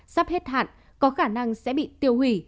sắp hết hạn có khả năng sẽ bị tiêu hủy